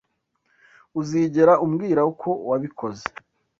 Uzigera umbwira uko wabikoze?